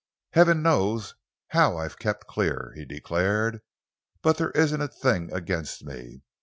"Heaven knows how I've kept clear," he declared, "but there isn't a thing against me.